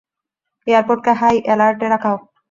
এয়ারপোর্টকে high অ্যালার্টে রাখা হোক।